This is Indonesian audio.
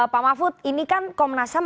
pak mahfud ini kan komnasam